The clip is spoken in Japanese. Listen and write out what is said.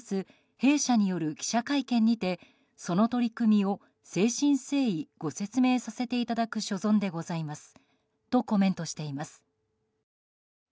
弊社による記者会見にてその取り組みを精神誠意ご説明させていただく所存でございますとコメントしています。